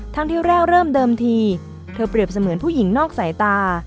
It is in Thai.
ทั้งที่แรกเริ่มเดิมทีเธอเปรียบเสมือนผู้หญิงนอกสายตา